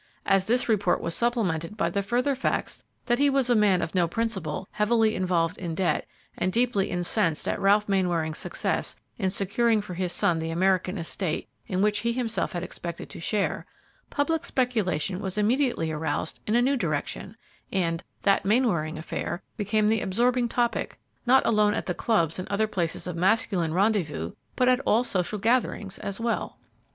As this report was supplemented by the further facts that he was a man of no principle, heavily involved in debt, and deeply incensed at Ralph Mainwaring's success in securing for his son the American estate in which he himself had expected to share, public speculation was immediately aroused in a new direction, and "that Mainwaring affair" became the absorbing topic, not alone at the clubs and other places of masculine rendezvous, but at all social gatherings as well.